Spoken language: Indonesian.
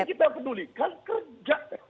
kita pedulikan kerja